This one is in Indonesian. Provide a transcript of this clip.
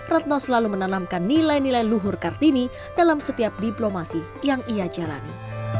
retno selalu menanamkan nilai nilai luhur kartini dalam setiap diplomasi yang ia jalani